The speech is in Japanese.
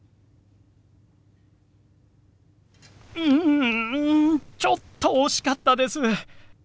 うんちょっと惜しかったです。